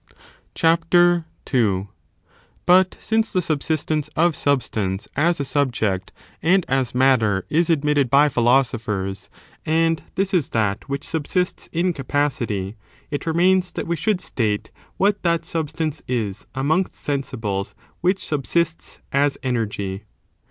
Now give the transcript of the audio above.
CHAPTER 11. sen £uT since the subsistence of substance as a sub i. what ject and as matter is admitted by philosophers, and fj^^ewed'aT this is that which subsists in capacity^ it remains energy; the that we should state what that substance is amongst moSmis on *" sensibles which subsists as energy.